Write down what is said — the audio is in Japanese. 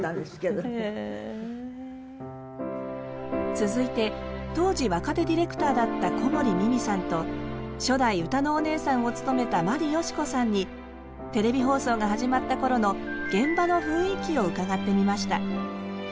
続いて当時若手ディレクターだった小森美巳さんと初代歌のお姉さんを務めた眞理ヨシコさんにテレビ放送が始まった頃の現場の雰囲気を伺ってみました。